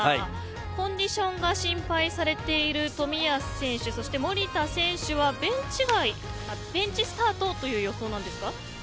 コンディションが心配されている冨安選手、そして守田選手はベンチスタートという予想なんですか。